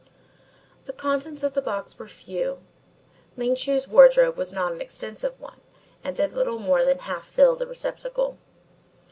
The contents of the box were few. Ling Chu's wardrobe was not an extensive one and did little more than half fill the receptacle.